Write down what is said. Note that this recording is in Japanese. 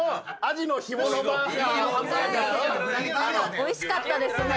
おいしかったですね。